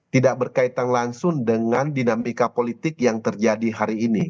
tidak berkaitan langsung dengan dinamika politik yang terjadi hari ini